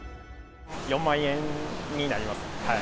４万円になります。